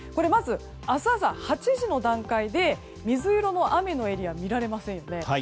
明日朝８時の段階では水色の雨のエリアは見られませんよね。